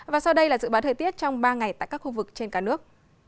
và sau đây là dự báo thời tiết trong ba ngày tại các khu vực trên cả nước